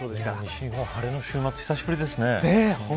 西日本、晴れの週末ひさしぶりですね。